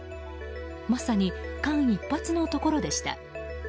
まさに間一髪のところでした。